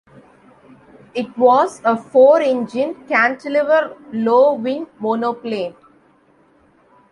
It was a four engine, cantilever low wing monoplane.